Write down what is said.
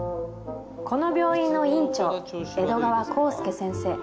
この病院の院長江戸川耕助先生。